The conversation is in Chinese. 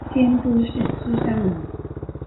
监督是芝山努。